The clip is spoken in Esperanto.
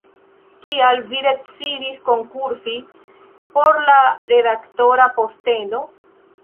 Kial vi decidis konkursi por la redaktora posteno?